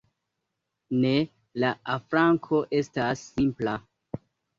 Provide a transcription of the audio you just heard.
Ne, la afranko estas simpla.